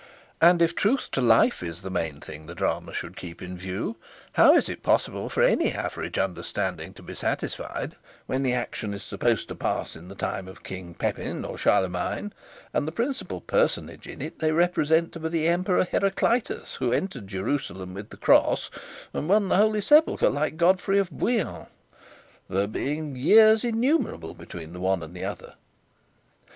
And if truth to life is the main thing the drama should keep in view, how is it possible for any average understanding to be satisfied when the action is supposed to pass in the time of King Pepin or Charlemagne, and the principal personage in it they represent to be the Emperor Heraclius who entered Jerusalem with the cross and won the Holy Sepulchre, like Godfrey of Bouillon, there being years innumerable between the one and the other?